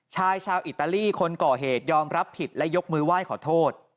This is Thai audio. ชายชาวอิตาลีคนก่อเหตุยอมรับผิดและยกมือไหว้ขอโทษ